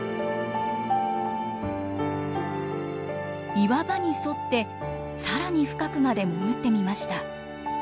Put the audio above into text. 岩場に沿ってさらに深くまで潜ってみました。